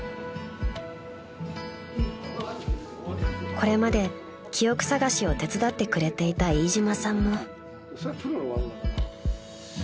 ［これまで記憶さがしを手伝ってくれていた飯島さんも］